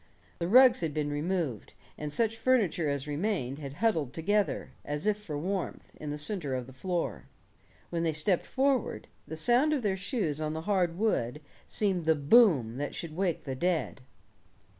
The rugs had been removed, and such furniture as remained had huddled together, as if for warmth, in the center of the floor. When they stepped forward, the sound of their shoes on the hard wood seemed the boom that should wake the dead.